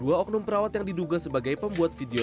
dua oknum perawat yang diduga sebagai pembuat video